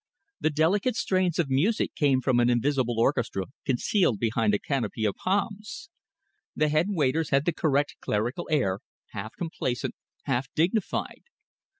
The delicate strains of music came from an invisible orchestra concealed behind a canopy of palms. The head waiters had the correct clerical air, half complacent, half dignified.